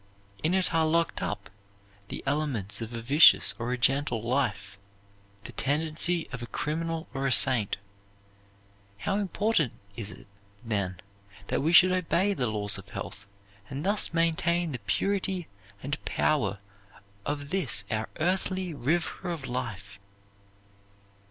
In it are locked up the elements of a vicious or a gentle life, the tendencies of a criminal or a saint. How important is it, then, that we should obey the laws of health, and thus maintain the purity and power of this our earthly River of Life!